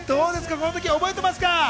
このとき覚えてますか？